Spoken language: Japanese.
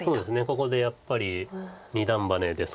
ここでやっぱり二段バネですか。